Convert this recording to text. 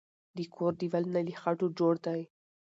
د کور دیوالونه له خټو جوړ دی.